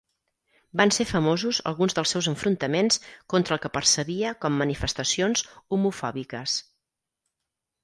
Van ser famosos alguns dels seus enfrontaments contra el que percebia com manifestacions homofòbiques.